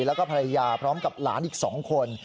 แล้วก็ภรรยาพร้อมกับหลานอีก๒คน